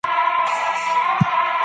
بېسوادي د ټولني ستونزې نه سي حل کولی.